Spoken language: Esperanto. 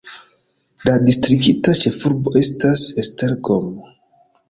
La distrikta ĉefurbo estas Esztergom.